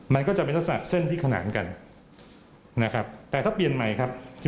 มันก็จะเป็นลักษณะเส้นที่ขนานกันนะครับแต่ถ้าเปลี่ยนใหม่ครับ